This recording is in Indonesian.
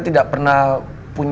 gak pernah kentut